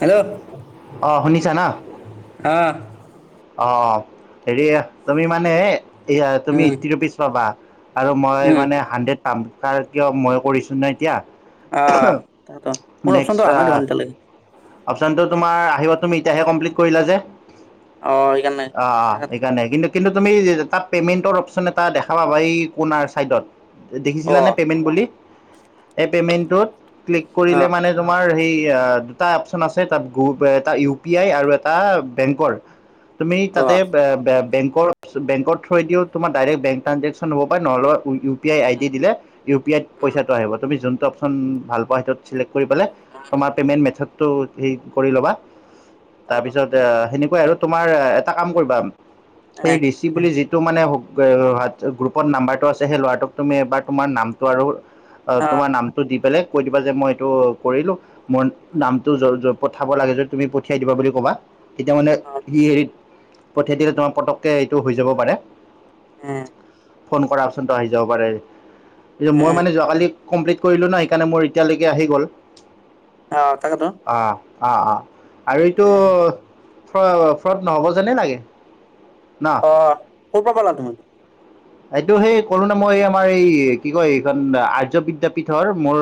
Hello অঁ শুনিছা ন আহ অঁ হেৰি তুমি মানে এয়া তুমি উম এইট্টি ৰুপিজ পাবা আৰু মই উম মানে হাণ্ড্ৰেড কাম কাৰ কিয় মই কৰিছো নাই এতিয়া আহ তো মোৰ নেক্সট অপশনটোো আনাই ঘ ঘণ্টা নেলাগে অপশচনটো তোমাৰ আহিব তুমি এতিয়াহে কমপ্লিট কৰিলা যে অ সেইকাৰণে অঁ তাকেতো এইকাৰণে কিন্তু কিন্তু তুমি তাত পে'মেণ্টৰ অপচন এটা দেখা পাবা এই কোনাৰ ছাইডত অ দেখিছীলানে পেমেট্ট বুলি [unintelligible] ক্লিক অ কৰিলে মানে তোমাৰ সেই অঁ এটা অপচন আছে তাত এটা ইউ পি আই আৰু এটা বেংকৰ তুমি অ তাতে বেকত থৈ দিও তোমাৰ ডাইৰেক বেং ট্ৰেন্সফাৰ হ'ব পাৰে নহ'লে U P I I um D দিলে ইউ পি আইত উম উম, পইচাটো আহিব তুমি জুনটো অপশন ভাল পোৱােইটোতে্ উম, তোমাৰ পেমেনট তটো হে কৰি ল'বা তাৰ তাকেতো পিছত এ সেনো আৰু তোমাৰ এটা কাম কৰিবা এ এই ঋচি বুলি মানে গ্ৰুপত নাম্বাৰটো আছে সেই ল'ৰাটোক তুমি এবাৰ তোমাৰ নামটো আৰু অঁ অ তোমাৰ নামটো দি পেলাই কৈ দিবা যে মই এইটো কৰিলো মোৰ উম, নামটো য- য- পঠাব লাগে যে তুমি পঠিয়াই দিবা বুলি ক'বা এতিয়া মানে অ সি হেৰিত পঠিয়াই দিলে তোমাৰ পতককে এইটো হৈ যাব পাৰে এ ফোন কৰা অপচন আহি যাব পাৰে এ মই মানে যোৱাকালি কমপ্লিট কৰিলো ন সেইকাৰণে মোৰ এতিয়ালৈকে আহি গ'ল। অ তাকেটো অ অ। আৰু এইটো। ফ ফ্ৰদ নহ'ব জানে লাগে। ন অ ক'ৰ পা পালা তুমি এইটো সেই কলো ন মই আমাৰ এই কি কয় এইখন আৰ্য বিদ্যাপীঠৰ মোৰ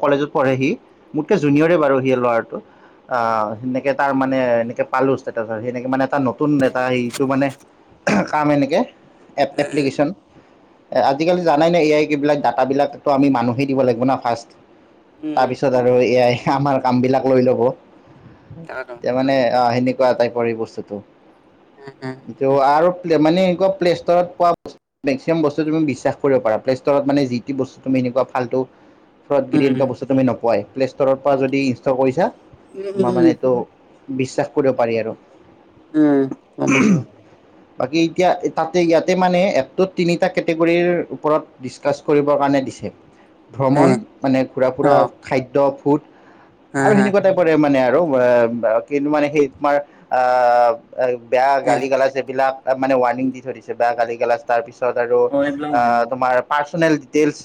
কলেজত পঢ়ে সি মোতকে আচ্ছা জুনিয়ৰে বাৰু সি লৰাটো উম আহ সেনেকে তাৰ মানে এনেকে পালো ষ্টেটাছ সেনেকে মানে এটা নতুন এটা সেইটো মানে কাম এনেকে এপ উম এপ্লিকেশ্যন এ আজিকালি জানাই নে এ আই কে বিলাক ডাটাবিলাক আমি মানুহেই দিব লাগিব না ফাষ্ট। উম, উম, তাৰপিছত আৰু এয়াই। আমাৰ কাম বিলাক লৈ ল'ব। তাকেতো এতিয়া মানে আহ সে নে। কোৱা টাইপৰ এই বস্তুটো উম উম ত' আৰু মানে এনেকুৱা প্লে তাত পোৱা মেক্সিমাম বস্তু তুমি বিশ্বাস কৰিব পাৰা প্লে ষ্টৰত' মানে যি বস্তু তুমি এনেুকোৱা ফালটো উম ফ্ৰদগিৰি এনেকুৱা বস্তু তুমি নোপোৱাই। প্লে'ষ্ট'ৰ পৰা যদি ইনষ্টল কৰিছা। উম উম, তোমাৰ মানে উম, এইটো বিশ্বাস কৰিব পাৰি। আৰু উম গম পাইছোঁ। বাকী এতিয়া তাত ইয়াতে মানে এপটোত তিনিটা কেটেগৰীৰ ওপৰত ডিছকাছ কৰিবৰ কাৰণে দিছে। এ ভ্ৰমণ মানে ঘূৰা অ ফুৰা খাদ্য। সুত এ আৰু সেনেকোৱা টাইপৰে মানে আৰু আৰু কিন্তু মানে সেই তোমাৰ আহ বেয়া এ গালি গালাজ সেই বিলাক মানে ৱাৰ্নিং দি থইছে। কিবা গলি গালাজ তাৰপিছত। তাত আৰু অ এইবিলাক আ নহব তোমাৰ পাৰচ পাৰ্চনেল ডিটেইলচ।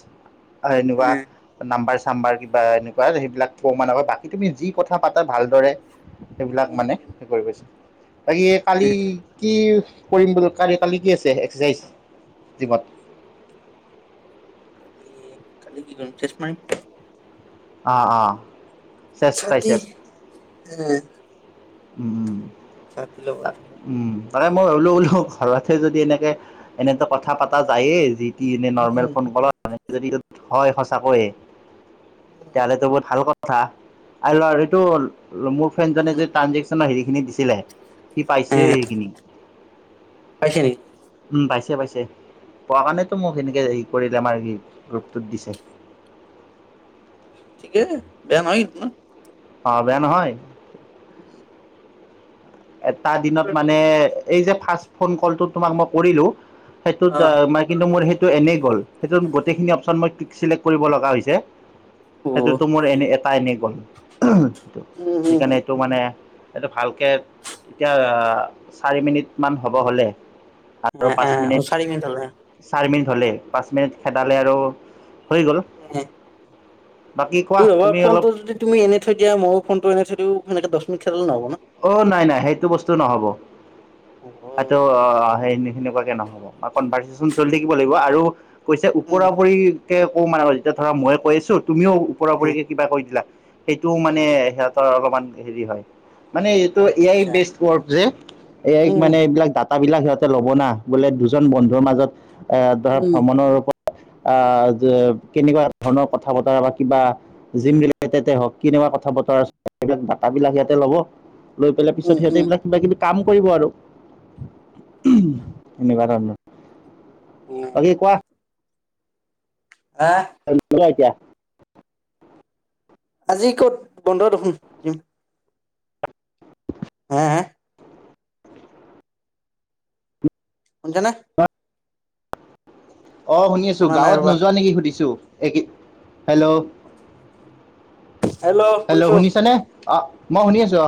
আয় এনেকুৱা উম নাম্বাৰছ চাম্বাৰ কিবা এনেকুৱা সেইবিলাক ক মানে বাকী তুমি যি কথা পাতা ভালদৰে সেইবিলাক উম মানে উম হে কৰি গৈছে। বাকী এ কালি কি কৰিম বুলত কালিত কালি কি আছে এক্সাৰচাইজ জিমত? কালি কালি কি কৰিম চেষ্ট মাৰিম। অ অ চেষ্ট ছাতি ট্ৰাইচেপ এ উম-উম ছাতি লব লাগিব মানে মই ভাবিলো বোলো ঘৰতে যদি এনেকে এনেই ত কথা পতা যায়েই যি টি এনে নৰ্মেল উম ফোন কলত। যদি যদি হয় সঁচাকৈ তেতিয়া হ'লে ত বহুত ভাল কথ কথা আহ লৰ এইটো মোৰ ফ্ৰেণ্ডজনে উম যে দেখছ নাই হেৰিখিনি দিছিলে। সি এ পাইছেও সেইখিনি। পাইছে নেকি উম', পাইছে-পাইছে পোৱা কাৰণেতো মোক সেনেকে হেৰি কৰিলে আমাৰ গ্ৰুপটোত দিছে। ঠিকে বেয়া নহয় কিন্তু ন। অ', বেয়া নহয়। উম', এটা দিনত মানে এই যে ফাৰ্ষ্ট ফোন কলটো তোমাক মই কৰিলোঁ। সেইটোত দা অ অ উম হুম মই কিন্তু মোৰ সেই টো এনেই গ'ল সেইটো গোটেইখিনি অপচন মই টিক চিলেক্ট কৰিব লগা হৈছে। সেইটোতো মোৰ এনেই এটাই এনেই গল। [unintelligible] হুম সেইকাণে এইটো মানে এইটো ভালকে এতিয়া চাৰি মিনিট মান হ'ব হলে। আৰু এ এ পাঁচ অ মিনিট, চাৰি হ'লে চাৰি মিনিট হলে পাঁচ মিনিট খেদালে আৰু হৈ গল। বাকী কোৱা এই বাবা তুমি অলপ ফোনটো যদি তুমি এনে থৈ দিয়া ময়ো ফোনটো এনে থৈ দিও সেকে দ খেললে নহ'ব। ন অ', নাই-নাই সেইটো বস্তু নহ'ব। অ আটো অ', নে সেনেকুৱাকে নহব বা কনভাৰ্চন চলি থাকিব লাগিব আৰু কৈছে উম ওপৰা-ওপৰি, ত কো মানে আৰু যেতিয়া ধৰা মইে কৈছো তুমিও উম ওপৰাওপৰিকে কিবা কৈ দিলা সেইটোও মানে উম সিহঁতৰ অলপমান হেৰি হয় মানে এইটো এ আই আচ্ছা বেষ্ট ৱৰ্ক যে এ আই উম মানে এইবিলাক দাঁ তাবিলাক সিহঁতে ল'ব না বোলে দুজন বন্ধুৰ মাজত এ ধৰা উম ভ্ৰমণৰ ৰূপত কেনেকুৱা ধৰণৰ কথা বতৰা বা কিবা জিম ৰিলেটেডে হওক কেনেকুৱা কথা বতৰা আছে সেইবিলাক ডাটাাবিলাক ইয়াতে লব লৈ পৰিলে পিছত উম উম তিহঁতে কিবাকিবি কাম কৰিব আৰু [unintelligible] [unintelligible] উম বাকী কোৱা আহ বন কৰা এতিয়া আজি ক'ত বন্ধ দেখোনম হা হা [unintelligible] শুনিছা নে অ শুনি আছো শুনা নাই গাঁৱত ৰ'বা নোযোৱা নেকি সুধিছোঁ হেল্ল' হেল্ল' শুঞ্চু অ মই শুনি আছো কিয়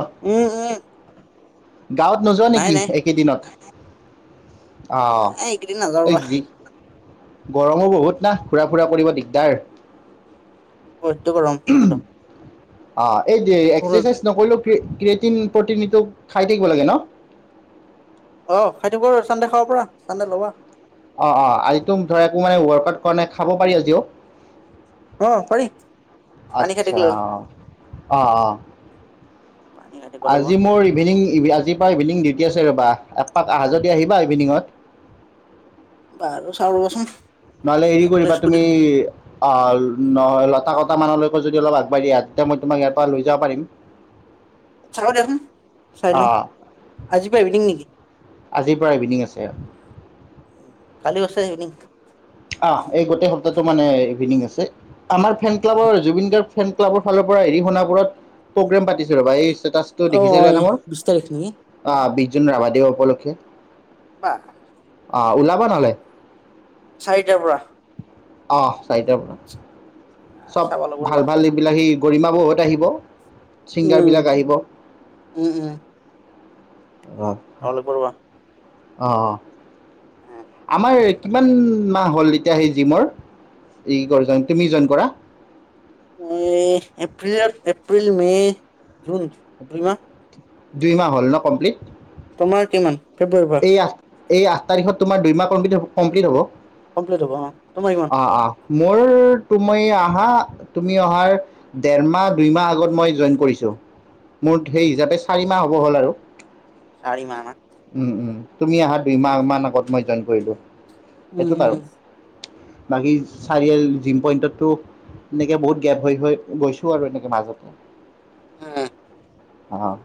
গাঁৱত নোযোৱা নাই নেকি নাই একেদিনত অ এই এইকেইদিন নাযাওঁ ৰবা জিপি গৰমো বহুত না ঘুৰা ফুৰা কৰিব দিগদাৰ বাদ্য গৰম থাকেটো অ এই যে এক্সাৰচাইজ নকৰিলও ক্ৰিয়েটিন প্ৰ'টিনটো খাই থাকিব লাগে ন অ খাই থাকিব চান্দে খাব পৰা চান্দে ল'বা অ অ আজিতো ধৰা একো মানে ৱৰ্কআউট কৰা নাই খাব পাৰি আজিও অ পাৰি পানী খাটিক আচ্ছা ল'ল অ অঁ অঁ পানী খাটিব লাগিব আজি মোৰ ইভিনিং আজিৰপা ইভিনিং ডিউটি আছে ৰ'বা একপাক আহা যদি আহিবা ইভিনিঙত। বাহু চাও ৰবচোন নহলে হেৰি কৰিবা তুমি অ ন তা কটামানলৈকে যদি অলপ আগবাঢ়ি অ আহা তেতিয়া মই তোমাক ইয়াৰ পৰা লৈ যাব পাৰিম। চাব দেন চাই লওঁ অঁ আজি পৰা ইভিনিং নেকি! আজিৰ পৰা ইভিনিং আছে কালি উছাই আহ নি আহ এই গোটেই সপ্তাহটো মানে ইভিনিং আছে আমাৰ ফেন ক্লাবৰ জুবিন গাৰ্গে ফেন ক্লাবৰ ফালৰ পৰা এৰি সোণাপুৰত প্ৰগ্ৰেম পাতিছে ৰবা এই ষ্টেটাছটো অ দেখিছিলে না মোৰ বিশ তাৰিখ নেকি যোন ৰাভা দিৱস উপলক্ষে বা আহ ওলাবা তালে চাৰিটাৰ পৰা আহ চাৰিটাৰ চব চাব লাগিব ভাল ৰ'বা ভাল এইবিলাক সেই গৰিমা বৌ ঘৰত‌ আহিব উম ছিংগাৰবিলাক আহিব উম উম আহ চাব লাগিব ৰ'বা অ অ কিমান মাহ হ'ল এতিয়া সেই জিমৰ ই গৰ্জন ইই তুমি জইন কৰা এই এপ্ৰিলৰ এপ্ৰিল মে জুন দুই মাহ দুই মাহ হ'ল ন কমপ্লিট তোমাৰ কিমান তে বাৰবা [unintelligible] এই আঠ এই আঠ তাৰিখত তোমাৰ দুই মাহ কম্পিলিত হ'ব কমপ্লিট হ'ব হ তোমাৰ ইমান অঁ অঁ মোৰ তুমি আহা তুমি অহাৰ দেৰ মাহ দুই মাহ আগত মই জইন কৰিছোঁ মোৰ সেই হিচাপে চাৰি মাহ হ'ল আৰু চাৰী মানা উম উম তুমি অহা দুইমাহমান আগত মই জইন কৰিলোঁ এইটোত আৰু উম বাকী উম চাৰিআল জিম পইন্টতো এনেকে বহুত গেপ হৈ হৈ গৈছো আৰু এনেকে মাজতে অ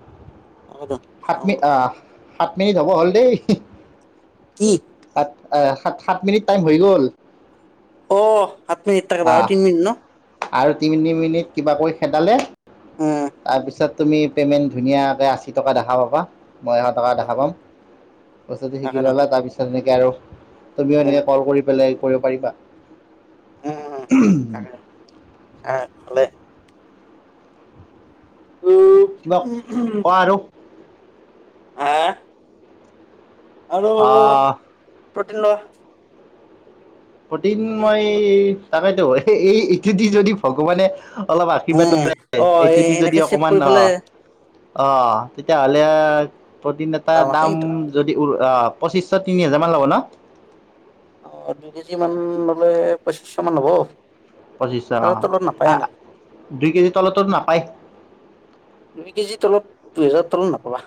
সগদ চাম প এই যাব হ'ল দেই কি আ আহ সাত সাত মিনিট টাইম হৈ গ'ল অ সাত মিনিট থাক আৰু অঁ তিনি মিনিট ন আৰু তিনি তিনি মিনিট কিবাকৈ খেদালে উম তাৰপিছত তুমি পে'মেণ্ট ধুনীয়াকৈ আশী টকা দেখা পাবা মই এশ টকা দেখা পাম পইচাতো শিকি তাকেতো ললা তাৰ পিছতে আৰু তুমিও উম এনেকে কল কৰি পেলাই কৰিব পাৰিবা উম উম থাকে উ ভালে কিবা ক আৰু তাত আৰু পুঠনা প্ৰটিন মই তাবেত এই ইটো দি যদি ভগৱানে অলপ আশীৰ্বাদ উম অ এ এইটোদি যদি এনেকে চেভ অকণমান কৰি অ পেলাই অ তেতিয়াহ'লে প্ৰতিদিন এটা আছে দাম কিন্তু যদি পঁচিছশ তিনি হাজাৰ মান ল'ব ন অ দুই কেজি মান ললে পঁচিশশ মান হব পঁচিছশ ত তলত নাপায় অ এনেকে দুই কেজি তলতো নাপায় দুই কেজি তলত দুহেজাৰ তলত নাপাবা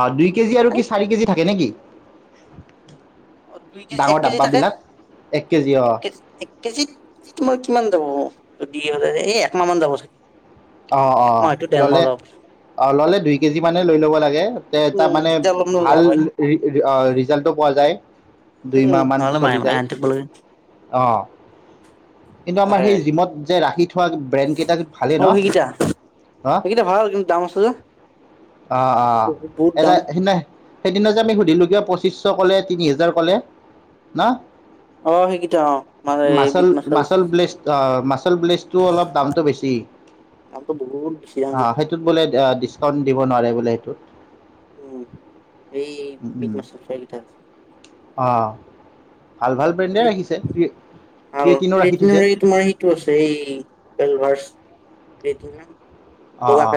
অ দুই কেজি আৰু পাই কি চাৰি কেজি থাকে নেকি? [unintelligible] অ এক ডাঙৰ কেজি থাকে ডাব্বাবিলাক এক কেজি অ এক কেজিত তোমাৰ কিমান হ'ব। দি হৈ এই একমাহ মান যাব চাগে। অ অ একমাহ হয়তো ডেৰ মাহ ল'লে যাব পাৰে অ ল'লে দুই কেজি মানে লৈ ল'ব লাগে তাৰ উম মানে তেতিয়া অলপমান ভাল লাভ হয় ৰিজাল্টটো পোৱা যায়। দুই উম মাহ মান নহ'লে মাহে চলি মাহে যায় আনি থাকিব লাগে অ কিন্তু আমাৰ তাকে সেই জিমত যে ৰাখি সৈয়াত ব্ৰেণ্ড কেইটা ভালেই অ ন সেইকেইটা হ সেইকেইটা ভাল কিন্তু দাম আছে যে আহ আহ বহুত বহুত এটা দাম সেইদিনা সেইদিনা যে আমি সুধিলো কিয় পইচ ত্ৰিছশ ক'লে তিনি হেজাৰ ক'লে না অ সেইকেইটা অ মানে মাচল বিগ মাছাল মাচল ব্লেছ মাচল ব্লেচটো অলপ দামটো বেছি। দামটো বহুত বেছি দাম অ সেইটোত বোলে ডিচকাউন্ট। দিব নোৱাৰে বোলে সেইটোত উম এই উম, বিগনেচৰ চলীটা আছে অহ, ভাল ভাল ব্ৰেণ্ডে ৰাখিছে ক্ৰি- ভাল ক্ৰিয়েটিনো ৰাখি থৈছে। ক্ৰীয়েটিনৰ এই তোমাৰ সেইটো আছে এই ৱেলভাৰ্চ। ক্ৰিয়েটিনি আম। অ অ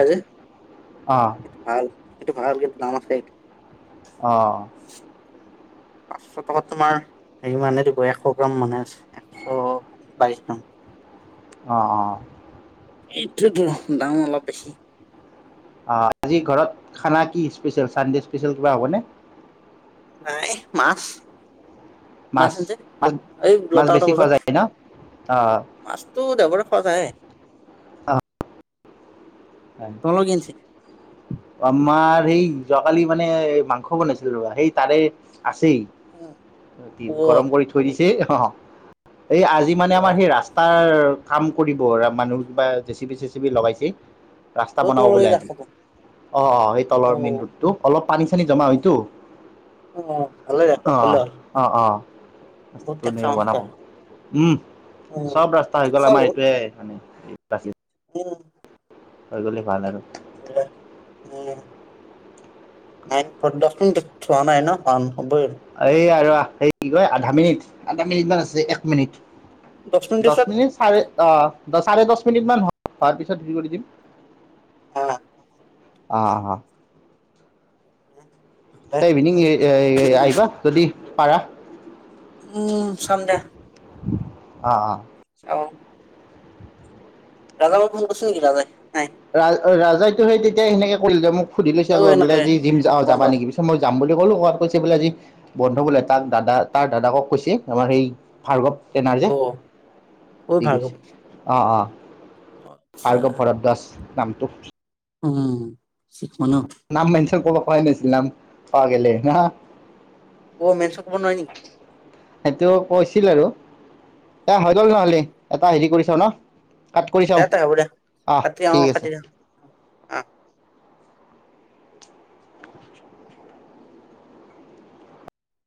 অ সেইটো ভাল সেইটো ভাল কিন্তু দাম আছে সেইটো। অ পাঁচশ টকাত তোমাৰ হেৰি মানেটো এশ গ্ৰাম মানে আছে এশ বাইশ গ্ৰাম অ অ এইটোতো দাম অলপ বেছি অ আজি ঘৰত খানা কি খানা চনৰে হব নাই মাছ মাছ আনিছে এই মাছ লটাটা বেছি খোৱা বজাত যায় ন? অ', মাছটো দেওবাৰে খোৱা যায়ে। হয় তোমালোকে কি আনিছে আমাৰ। সেই যোৱাকালি মানে মাংস বনাইছিল ৰবা সেই তাৰে। আছেই অ গৰম কৰি থৈ দিছে। তেই হহ এই আজি মানে আমাৰ বৰাই সেই ৰাস্তাৰ কাম কৰিব মানুহ কিবা জেচিপি চেচিপি লগাইছেই। অ ৰাস্তা বনাব তোমালোকে বোলে আজি ৰাস্তাটো অ অ সেই তলৰ মেইন ৰোডটো অলপ পানী চানী জমা হয়তো। উ ভাল দ কল হল বহুত ত টেকচা ব মাছ নাপা খায় উম উম চব ৰাস্তা হৈ গল টেকচা আমাৰ বহুত এইটোয়ে মানে এই পাছ মিনিট উম হৈ গলে ভাল আৰু বঢ়িয়া উম নাইন দহ মিনিট থোৱা নাই ন কাৰণ এই আৰুৱা সেই কি কয় আধা মিনিট আধা মিনিট মান আছে এক মিনিট দহ দছ পিছত মিনিট চাৰে অহ দছ চাৰে দছ মিনিট মান হোৱাৰ পিছত হি কৰি দিম। অ অ হ'। তই ইভিনিং এই এ এ এ আহিবা যদি পাৰা। উম চাম দে। অ অ। চাওঁ। ৰাজা পা ফোন কৰিছিল নেকি ৰাজাই নাই ৰা অ ৰা জাইটো সেই তেতিয়াই সেনেকে কৰিল যে মোক। সুধি লৈছে অ আগত বোলে এনেকে আজি জিম যা অ বন্ধ যাবা নেকি? পিছে মই যাম বুলি ক'লো কবাত কৈছে বোলে আজি বন্ধু বোলে তাক দাদা তাৰ দাদাকক কৈছে। আমাৰ সেই ভাৰ্গৱ তেন আৰ যে অ সি কৈছে অ অ। আতচ্ছা। ভাৰ্গৱ ভৰদ্বাজ দাস নামটো। উম চি নাম মানিছ কৈব হয় নেছলাম পা গেলে না। অ মেনচন কৰিব নোৱাৰি নি? সেইটো কৈছিল আৰু তা হাইডল গ'লে এটা হেৰি কৰি চাও ন? কাট কৰি দে চাওঁ তই হ'ব দে আহ কাটি অহ ঠিক আছে কাটি দেয় আ